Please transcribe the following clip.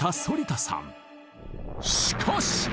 しかし！